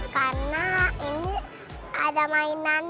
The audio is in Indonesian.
karena ini ada mainan